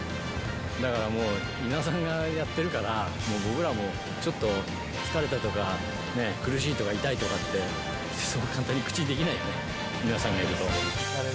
だからもう、稲田さんがやってるから、もう僕らもちょっと疲れたとか、苦しいとか痛いとかって、そう簡単に口にできないよね、稲田さんがいると。